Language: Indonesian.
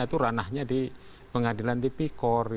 itu ranahnya di pengadilan tipi kor